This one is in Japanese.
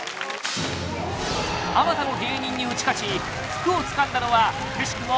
あまたの芸人に打ち勝ち福をつかんだのはくしくも